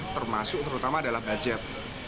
termasuk terutama dalam budget